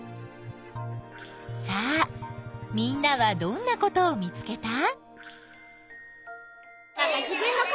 さあみんなはどんなことを見つけた？